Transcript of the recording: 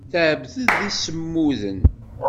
Tɛebded imsemmuden.